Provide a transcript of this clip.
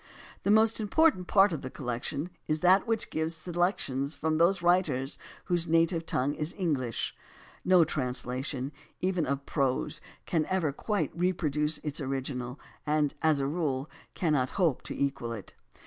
The most important part of the collection is that which gives selections from those writers whose native tongue is English. No translation even of prose can ever quite reproduce its original, and, as a rule, cannot hope to equal it.